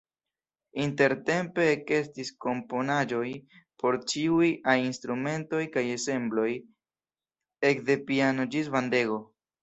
Intertempe ekestis komponaĵoj por ĉiuj ajn instrumentoj kaj ensembloj, ekde piano ĝis bandego.